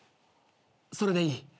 それでいい。